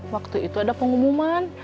waktu itu ada pengumuman